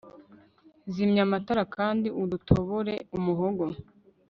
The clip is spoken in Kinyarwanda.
Zimya amatara kandi udutobore umuhogo